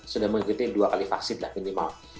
sudah mengikuti dua kali vaksin lah minimal